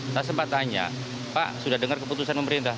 saya sempat tanya pak sudah dengar keputusan pemerintah